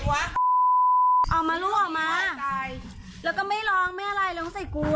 ใครวะออกมาลูกออกมาแล้วก็ไม่ร้องไม่อะไรแล้วต้องใส่กลัว